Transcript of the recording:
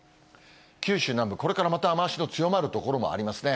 九州南部、これからまた雨足の強まる所もありますね。